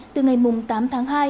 từ ngày mùng tám tháng hai